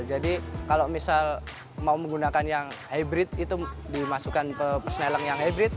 jadi kalau misal mau menggunakan yang hybrid itu dimasukkan ke perseneleng yang hybrid